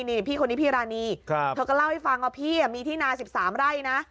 นี่พี่คนนี้พี่รานีเธอก็เล่าให้ฟังว่าพี่มีที่นา๑๓ไร่นะ